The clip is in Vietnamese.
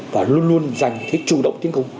và luôn luôn dành hết chủ động tiến công